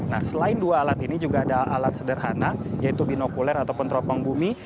nah selain dua alat ini juga ada alat sederhana yaitu binokuler ataupun teropong bumi